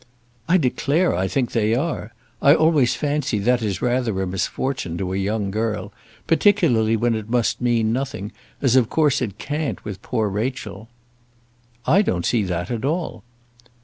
"I declare I think they are. I always fancy that is rather a misfortune to a young girl, particularly when it must mean nothing, as of course it can't with poor Rachel." "I don't see that at all."